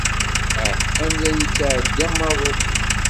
Ah! Amdan ittɛeddi am waḍu.